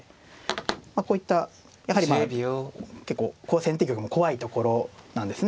まあこういったやはりまあ結構先手玉も怖いところなんですね。